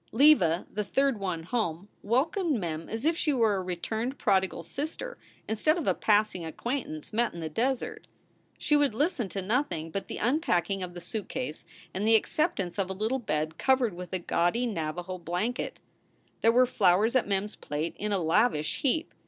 Leva, the third one home, welcomed Mem as if she were a returned prodigal sister instead of a passing acquaintance met in the desert. She would listen to nothing but the unpacking of the suitcase and the acceptance of a little bed covered with a gaudy Navajo blanket. There were flowers at Mem s plate in a lavish heap.